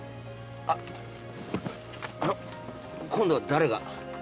あっあの今度は誰が？